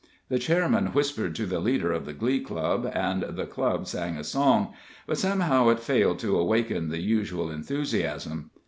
The Chairman whispered to the leader of the Glee Club, and the club sang a song, but somehow it failed to awaken the usual enthusiasm.